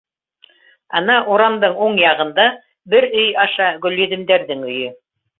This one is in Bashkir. Ана, урамдың уң яғында, бер өй аша, Гөлйөҙөмдәрҙең өйө.